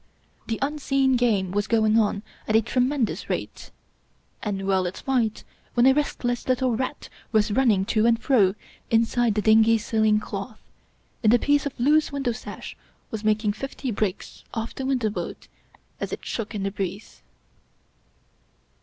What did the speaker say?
The unseen game was going on at a tremendous rate. And well it might, when a restless little rat was run ning to and fro inside the dingy ceiling cloth, and a piece of loose window sash was making fifty breaks off the window bolt as it shook in the breeze